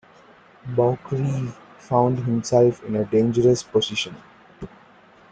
Boukreev found himself in a dangerous position.